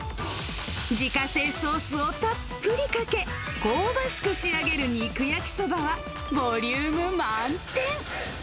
自家製ソースをたっぷりかけ、香ばしく仕上げる肉焼きそばは、ボリューム満点。